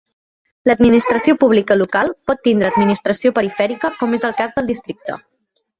L'administració pública local pot tindre administració perifèrica, com és el cas del districte.